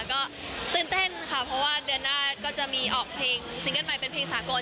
ก็ตื่นเต้นค่ะเพราะว่าเดือนหน้าก็จะมีออกเพลงซิงเกิ้ลใหม่เป็นเพลงสากล